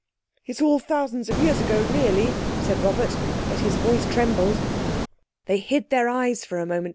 "It's all thousands of years ago, really," said Robert but his voice trembled. They hid their eyes for a moment.